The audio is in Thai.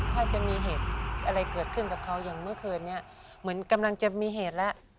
ถ้าจะมีเหตุอะไรเกิดขึ้นกับเขาอย่างเมื่อคืนนี้เหมือนกำลังจะมีเหตุแล้ว